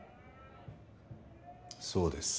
そうです。